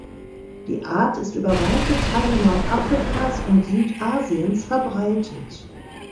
Die Art ist über weite Teile Nordafrikas und Südasiens verbreitet.